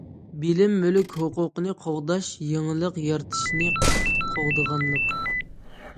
بىلىم مۈلۈك ھوقۇقىنى قوغداش يېڭىلىق يارىتىشنى قوغدىغانلىق.